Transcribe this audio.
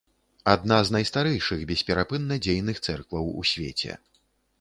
Адна з найстарэйшых бесперапынна дзейных цэркваў у свеце.